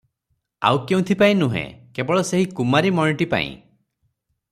ଆଉ କେଉଁଥିପାଇଁ ନୁହେଁ, କେବଳ ସେହି କୁମାରୀ ମଣିଟି ପାଇଁ ।